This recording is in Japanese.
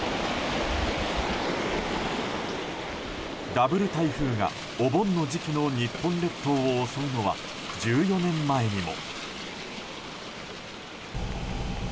ダブル台風がお盆の時期の日本列島を襲うのは１４年前にも。